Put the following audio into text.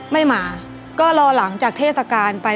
ไม่มาก็รอหลังจากเทศกาลไป